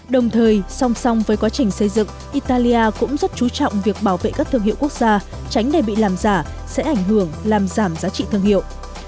đồng thời song song với quá trình xây dựng italia cũng rất chú trọng việc bảo vệ các thương hiệu quốc gia tránh để bị làm giả sẽ ảnh hưởng làm giảm giá trị thương hiệu